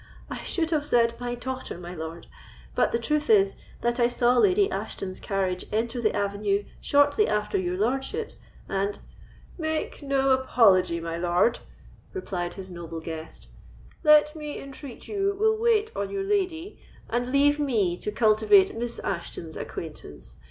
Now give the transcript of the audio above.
"I should have said my daughter, my lord; but the truth is, that I saw Lady Ashton's carriage enter the avenue shortly after your lordship's, and——" "Make no apology, my lord," replied his noble guest; "let me entreat you will wait on your lady, and leave me to cultivate Miss Ashton's acquaintance.